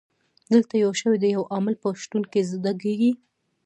دلته یو شی د یو عامل په شتون کې زده کیږي.